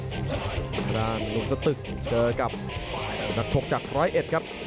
ทางด้านหนุ่มสตึกเจอกับนักชกจากร้อยเอ็ดครับ